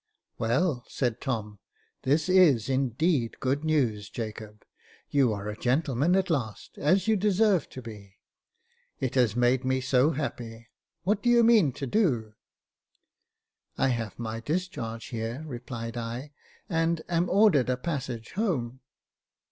"Well," said Tom, " this is, indeed, good news, Jacob. You are a gentleman, at last, as you deserve to be. It has made me so happy ; what do you mean to do ?" *'I have my discharge here," replied I, "and am ordered a passage home."